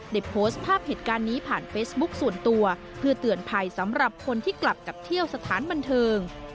ได้โพสต์ภาพเหตุการณ์นี้ผ่านเฟซบุ๊คส่วนตัวเพื่อเตือนภัยสำหรับคนที่กลับกับเที่ยวสถานบันเทิง